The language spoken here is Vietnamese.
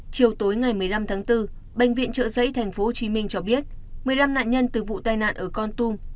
chiều tối ngày một mươi năm tháng bốn bệnh viện trợ giấy tp hcm cho biết một mươi năm nạn nhân từ vụ tai nạn ở con tum